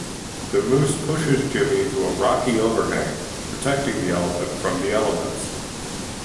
The moose pushes Jimmy into a rocky overhang, protecting the elephant from the elements.